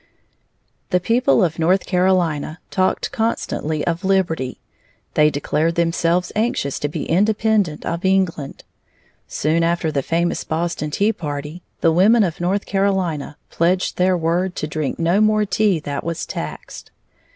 The people of North Carolina talked constantly of Liberty. They declared themselves anxious to be independent of England. Soon after the famous Boston Tea party, the women of North Carolina pledged their word to drink no more tea that was taxed.